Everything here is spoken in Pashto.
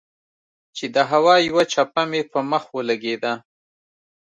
چې د هوا يوه چپه مې پۀ مخ ولګېده